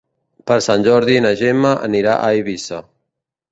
Per Sant Jordi na Gemma anirà a Eivissa.